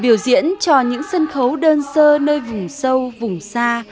biểu diễn cho những sân khấu đơn sơ nơi vùng sâu vùng xa